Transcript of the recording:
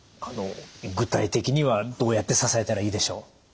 具体的にはどうやって支えたらいいでしょう？